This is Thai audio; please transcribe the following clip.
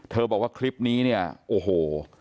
บอกว่าคลิปนี้เนี่ยโอ้โห